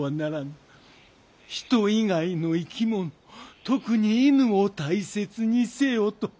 人以外の生き物特に犬を大切にせよと！